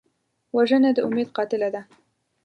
وژنه د امید قاتله ده